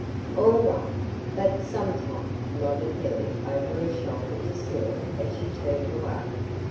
"All right; but sometime," nodded Billy over her shoulder to Cyril as she turned away.